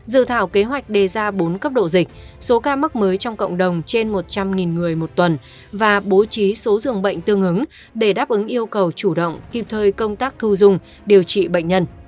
dự thảo kế hoạch đề ra bốn cấp độ dịch số ca mắc mới trong cộng đồng trên một trăm linh người một tuần và bố trí số dường bệnh tương ứng để đáp ứng yêu cầu chủ động kịp thời công tác thu dung điều trị bệnh nhân